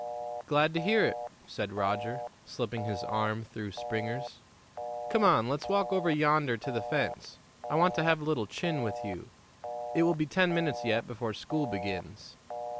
"Glad to hear it," said Roger, slipping his arm through Springer's. "Come on, let's walk over yonder to the fence. I want to have a little chin with you. It will be ten minutes yet before school begins."